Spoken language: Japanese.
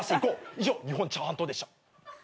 以上日本チャーハン党でした。